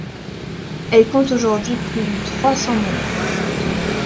Elle compte aujourd'hui plus de trois cents membres.